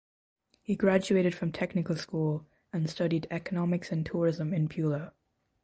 He graduated from technical school and studied economics and tourism in Pula.